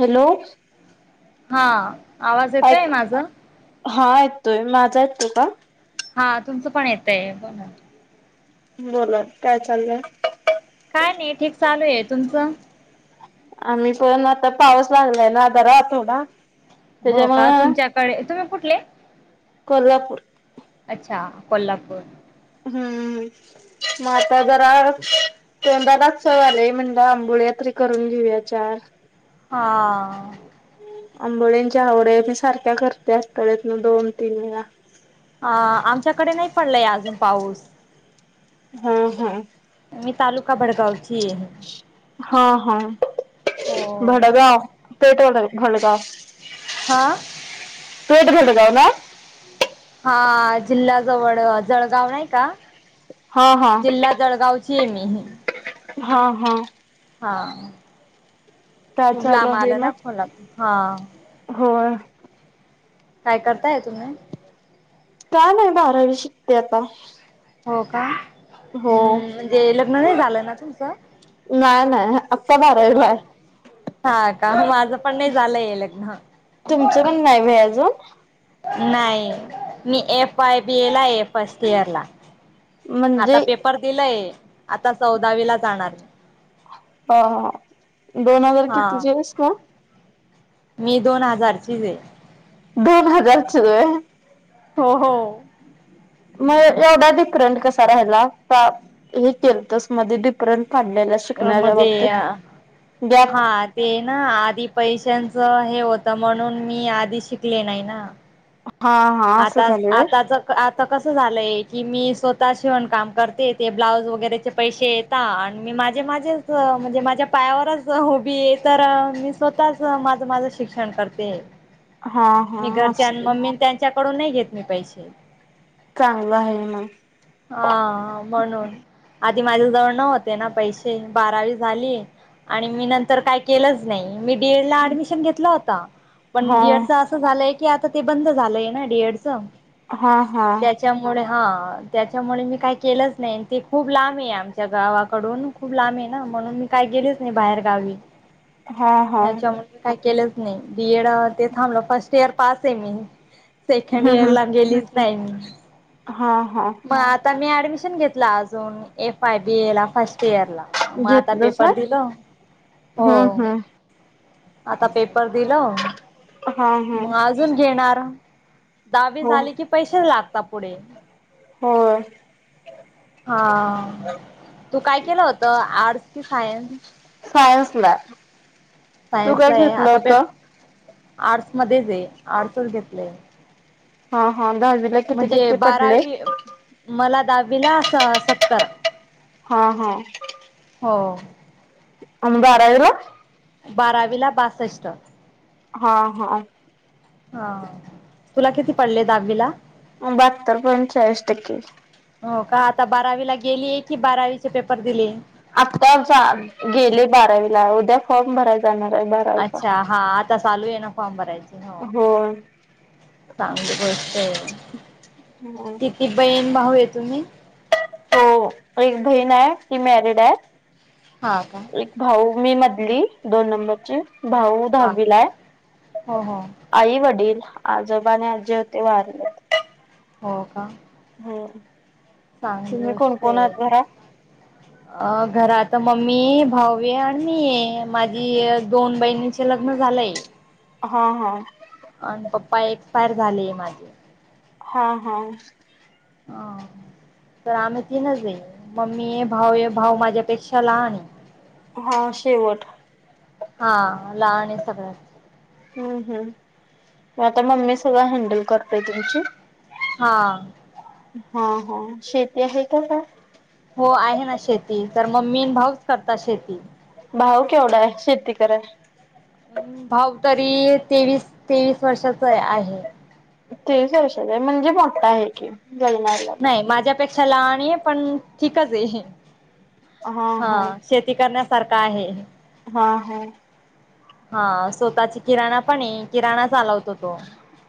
Hello हा आवाज येतोय ऐक माझा हा येतोय. माझा यतोय का? हा तुमचं पण येतंय बोला बोला काय चाललं काय नाही ठीक चालू आहे तुमचं आम्ही पण आता पाऊस लागलाय ना आता राहतो ना हो का तुमच्याकडे, तुम्ही कुठले. कोल्हापूर अच्छा कोल्हापूर हम्म मग आता जरा तंदालात्सव झालेय म्हणजे आंबोळ्या तरी करून घेऊया चार. हा आंबोळींच्या आवडया मी सारख्या करते आठवड्यातून दोन तीन वेळा. अ आमच्याकडे नाही पडलाय अजून पाऊस. हा हा मी तालुका भडगावची आहे. हा हा हो- घडगाव- हा. तू तर [unintelligible] हा जिल्हाजवळ जळगाव नाही का? हा हा जिल्हा जळगावची आहे मी. अह [inaudible] हा हा. हा. [inaudible] काय खूप चालू लाब आहे आला मग? ना खोला हा- होय काय करताय तुम्ही? का नाही बारावी शिकते आता- हो का? हो हम्म म- झालं ना तुमचं- नाही नाही. बारावीला आहे. हा का माझं पण नाही झालंय लग्न- तुमचं पण नाही व्हय अजून नाही मी एफ आय बी ए ला ए फर्स्ट इयर ला- म्हणजे आता पेपर दिलाय. आता चौदावी ला जाणार. अ दोन हजार हा कितीचे आहेस का. मी दोन हजारचीच आहे. दोन हजारचेय. हो हो. मग एवढा डिफरंट कसा राहिला हे केलतस मध्ये डिफरंट- काडल्याला शिकणाऱ्या म्हणजे बाबतीत. गॅप हा ते ना आधी पैसे- त्यांच हे होतं म्हणून मी आधी शिकले नाही ना- हा हा असं आता झालय- आताच आता कसं झालंय की मी स्वतः शिवण काम करते ते ब्लाऊज वगैरेचे पैसे येता आणि मी माझे माझेच म्हणजे माझ्या पायावरच उभी आहे तर मी स्वतःच माझं माझं शिक्षण करते- हा हा. कडून नाही घेत मी पैसे चांगलं आहे मग हा म्हणून. आधी माझ्या जवळ नव्हते ना पैसे बारावी झालीय आणि मी नंतर काय केलंच नाही- मी डीएड लाडमिशन घेतला होता पण हा डीएड अस झालं- की आता ते बंद झालंय- ना डी एड च - हा हा. हा त्याच्यामुळे मी काही केलंच नाही ते खूप लांबे हे आमच्या गावाकडून खूप लांब आहे ना म्हणून मी काय गेलेच नाही बाहेर गावी. हा हा याच्यामुळे काय केलं. नाही बीएड अ ते थांबलं फर्स्ट इयर पास आहे मी. सेकंड हम्म इयर हम्म ला गेली. नाहीईन हा हा. ऍडमिशन घेतला अजून एफ आय बी ए ला फस्ट पेअर ला म आता घेतलं पेपर सर दिल हो हम्म हम्म आता पेपर दिलं हा हा म अजून घेणार. दाहवी हो झाली की पैसे लाग आ पुढे होय हा तू काय केलं होतं आर्टस कि सायन्स. सायन्सला. तू काय सायन्सला आहे घेतलं आता पे होता. आर्ट्स मध्येच हे आर्टसच घेतलय. हा. हा दहावीला किती म्हणजे टक्के पडले बारावी मला दद. विलास सत्तर. हा हा. हो. [unintelligible] अबा आर र बारावी ला बासष्ट. हा हा हा तुला किती पडले दहावी ला. बहात्तर पॉईंट चाळीस टक्के. हो का आता बारावीला गेली. आत्ता सा गेले बारावीला उद्या. फॉम भराय. अच्छा हा आता चालू आहे ना फॉर्म भरायचे. हो होय चांगली गोष्ट आहे तिची बहीण. बाहुहे तुम्ही. हो एक बहीण आहे ती मॅरिड आहे. हा का एक भाऊ. मी मधली दोन नंबरची. भाऊ हा दधहावीलाय हो हो आई वडील. आजोबा ने आजे होते वारलेत. हो का. हो. चांगल असतंय घरात. मम्मी भावे आणि मी माझी दोन बहिणीचे लग्न झालंय. हा हा. आणि पप्पा एक्सपायर झालेय माझे. हा हा. ह तर आम्ही तीनच, मम्मी ये भाऊ ये भाऊ माझ्यापेक्षा लहान आहे. हा शेवट. हा लहान सगळंत. हम् हम आता मम्मी सगळं हँडल कर ताई तुमची हा. हा हा शेती आहे का काय? हो आहे ना शेती तर मम्मी भाऊच करतात शेती. भाऊ केवढा आहे शेती कराय? भाव तरी तेवीस तेवीस वर्षाचा आहे. तेवीस वर्षात आहे म्हणजे मोठा आहे की. लग्नाला काय. क्षा लहान आहे. पण ठीकच आहे. हा शेती करण्यास सारख आहे. हा हा. हा स्वतः ची किराणा पण आहे किराणा चालव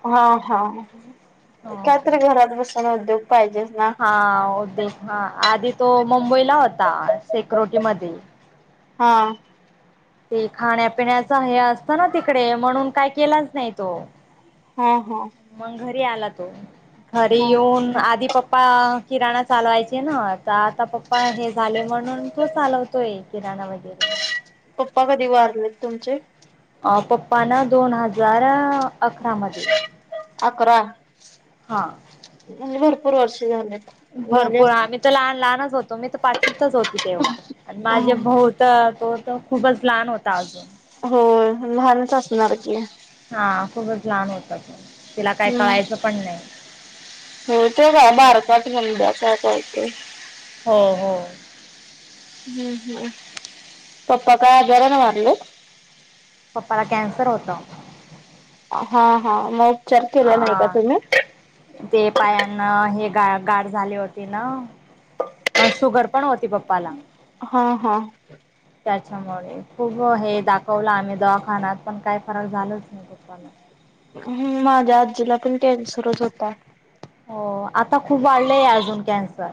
हा हा कायतरी घरात बस सुन उद्योग पाहिजेच ना. हा उद्योग हा आदी तो मुंबईला होता सेकुरिटीमध्ये. हा. ते खाण्यापिण्याच हे असतं ना तिकडे म्हणून काय केलाच नाही तो. ह हा. मग आला तो घरी हा येऊन आधी पप्पा पप्पा किराणा चालवायचे ना आता आता पप्पा हे झाले म्हणून तो चालवतोय किराणा वगैरे. पप्पा कधी वारलेत तुमचे? पप्प ना दोन हजार अकरामध्ये. अकरा! म्हजे भरपूर वर्षी झालेत. झाले भरपूर असतील. आम्ही तर लहान लहानच हो तो मी त पाचवीतच होती तेव्हा आणि माझे भाऊ त को तो खूपच लहान होता आजून हो लहानच असणार की हा खूपच लहान होता तो तिला काय हम्म, कळायचं पण नाही. हो ते काय बारकाच [unintelligible] [unintelligible] हो हो. हम्म हम्म, पप्पा काय आजाराने वारलेत? पप्पाला कॅन्सर होता. हा हा मग उपचार आ केला नाही का तुम्ही? ते पायांना हे गा गाठ झाली होती ना, अ शुगर पण होती पप्पाला हा हा. त्यामुळे खूप हे दाखवलं आम्ही दवाखान्यात पण काही फरक झालच नाही पप्पाला हम्म माझ्या आजीला पण कॅन्सर च होता. हो आता खूप वाढलंय अजून कॅन्सर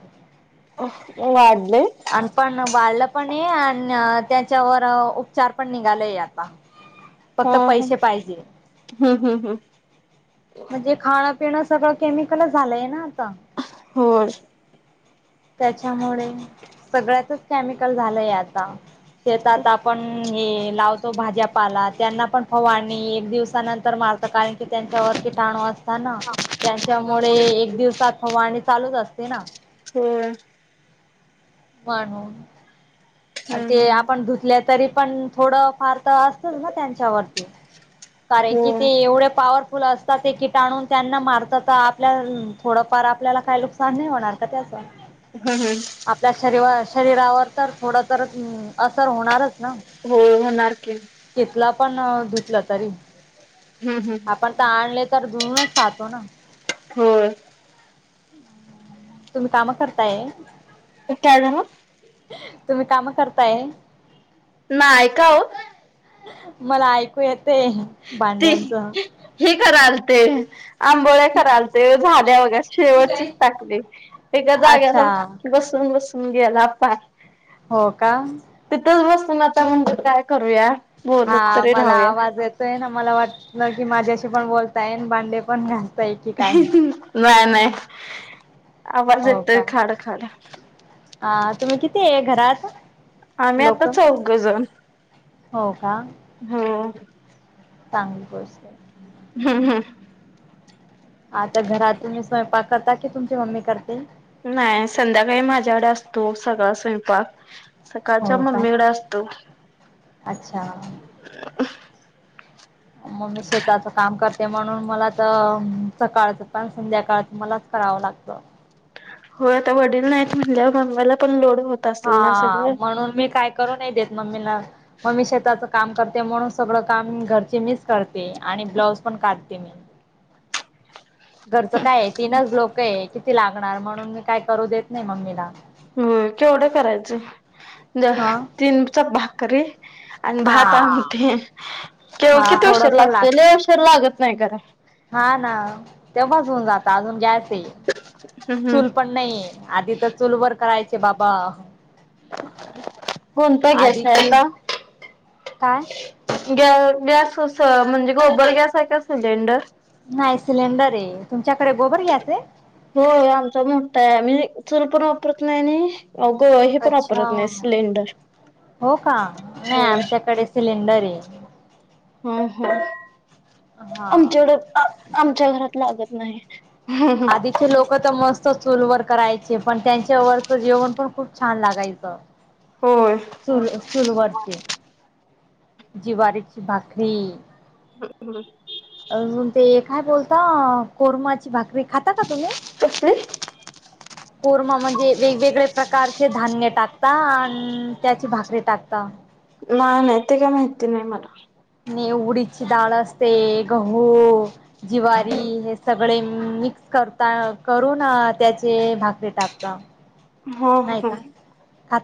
अह वाढले आन पण वाढले पण ये, आन त्याच्यावर उपचार पण निघालाय आता हा फक्त हा. पैसे पाहिजे हम्म हम्म हम्म. म्हणजे खाण तेन सगळं केमिकलच झालंय ना आता अह होय. त्याच्यामुळे सगळ्यातच केमिकल झालंय आता शेतात आपण हे लावतो भाज्यापाला त्यांना पण फवारणी एक दिवसानंतर मार त कारण की त्यांच्यावर किटाणू असता ना, त्यांच्यामुळे एक दिवसात फवारणी चालूच अस ते ना होय. म्हणून हम्म ते हम्म. आपण धुतल्या तरी पण थोडं फार त असतच ना त्यांच्यावरती कारण की ते होय. एवढे पावर फुल असतात, ते किटाणू त्यांना मारतात त आपल्यान थोडंफार आपल्याला, काय नुकसान नाही होणार का त्याचं? हम्म हम्म. आपल्या शरी [unintelligible] शरीरावर तर थोड तर उ असर होणारच ना हो होणार की तिथलं पण धुतलं तरी हम्म हम्म. आपण त आणले. तर [inaudible] ना होय. तुम्ही कामं करताय? काय झालं? तुम्ही कामं करताय? नाय. का ओ? मला ऐकू येत ते ती भांड्यांचं. हे करालते. आंबोळ्या करायलते झाल्या बघा शेवटचीच टाकली. एका जाग्याला अच्छा बसून बसून हम गेला [inaudible] हो का? पण आता म्हणतात काय करूया? बोलत तरी राहूया. तय ना मला वाटलं की माझ्याशी पण बोल ताय अन भांडे पण घास नाही नाही. आवाज हो येतंय का खाडं खाड अ तुम्ही किती आहे घरात आम्ही आता लोक चौघजण. हो का? हो चांगली गोस य हा हा आता घरात तुम्ही स्वयंपाक करता कि तुमची मम्मी करते? नाही संध्याकाळी माझ्याकडे असतो सगळा स्वयंपाक. सकाळच्या हो का मम्मीकडे असतो. अच्छा मग मी शेताचं काम कर ते म्हणून मला आता सकाळंच पण संध्याकाळंच मलाच करावं लागतं. होय आता वडील नाहीत म्हणल्याव मम्मीला पण लोड होत असेल ना हा सगळं. म्हणून मी काय करू नाही देत मम्मीला मम्मी शेताच काम करते म्हणून सगळं काम घरची मीच करते, आणि ब्लाऊज पण काढते मी. घरचं काय आहे तीनच लोक काय किती लागणार म्हणून मी काय करू देत नाही मम्मीला. होय केवढं [inaudible] द ह तीन चप भाकरी आणि भात हा आमटी. केव हा किती उशीर लागतोय? लय उशीर लागत नाही करा. हां ना, तेव्हाच होऊन जातं. आजून जाच ते, हम्म चूल पण नाइए. आधी त चूलवर करायच् बाबा. कोणता गॅस आहे आधीची आता. काय ग गॅस म्हणजे गोबर गॅस आहे का. सिलेंडर? नाही सिलेंडर आहे तुमच्याकडे गोबर गॅस आहे. होय आमचा मोठा आहे, आम्ही चूल पण वापरत नाही-आणि. अच्छा हो का, नाही होय आमच्याकडे सिलेंडर. आहे. हम् हम हा आमच्याकडे. आमच्या घरात लागत नाही. आधीचे लोक तर मस्त चूलवर. करायचे पण त्यांच्यावरचं जेवण पण खूप छान लागायचं. होय चूल-चूल वरचे. ज्वारीरीची भाकरी. अजून ते एक. हाय बोलता कोरमाची भाकरी. खाता का तुम्ही कसली? कोरमा म्हणजे, वेगवेगळे्या प्रकारचे धान्य टाक टकता आणि त्याची भाकरी टाकता. नाही-नाही ते काय माहिती नाही मला. आणि उडदाची डाळ असते, गहू, ज्वारी, हे सगळे मिक्स करता करून त्याचे भाकरी टाकताव. हो, हो,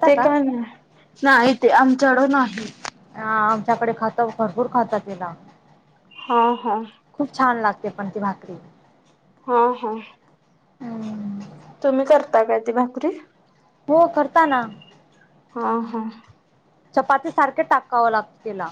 ते काय नाही-नाही ते आमच्याकड नाही. ह आमच्याकडे खातव भरपूर खातंव केला हा, हा. ते पण ती भाकरी. हा, हा. हम्. तुम्ही करता का ती भाकरी. हो करताना. हा, हा. चपाती सारखे टाकावं लागतं. केला.